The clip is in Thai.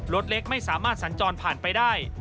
รถเล็กไม่สามารถสัญจรผ่านไปได้